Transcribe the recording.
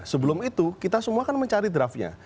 sebelum itu kita semua kan mencari draftnya